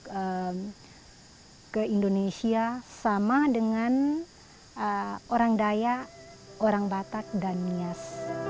dan ke indonesia sama dengan orang dayak orang batak dan nias